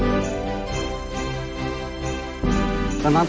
นี่คือปาการังอะไรนะคะ